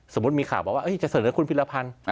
สมมุติมีข่าวบอกว่าจะเสนอคุณพิรพันธ์